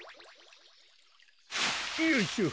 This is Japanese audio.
よいしょ。